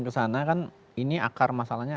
kesana kan ini akar masalahnya